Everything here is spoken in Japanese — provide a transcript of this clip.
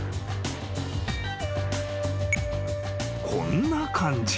［こんな感じ］